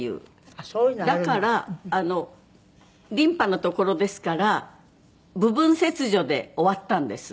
だからリンパのところですから部分切除で終わったんです。